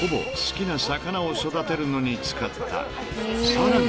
［さらに］